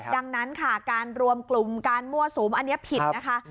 ดังนั้นค่ะการรวมกลุ่มการมั่วสุมอันนี้ผิดนะคะ